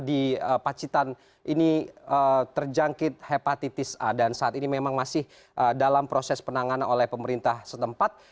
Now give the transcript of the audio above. di pacitan ini terjangkit hepatitis a dan saat ini memang masih dalam proses penanganan oleh pemerintah setempat